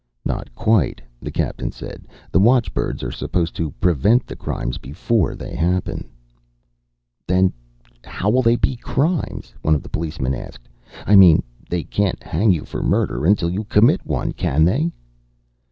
"Not quite," the captain said. "The watchbirds are supposed to prevent the crimes before they happen." "Then how'll they be crimes?" one of the policeman asked. "I mean they can't hang you for murder until you commit one, can they?"